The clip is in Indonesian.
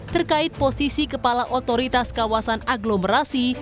terkait posisi kepala otoritas kawasan aglomerasi